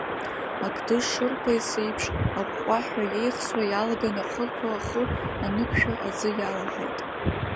Ақды шырбаз еиԥш аҟәҟәаҳәа иеихсуа иалаган ахылԥа ахы анықәшәа аӡы иалаҳаит.